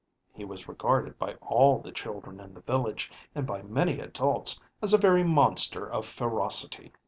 He was regarded by all the children in the village and by many adults as a very monster of ferocity.